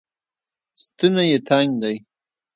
ستونی یې تنګ دی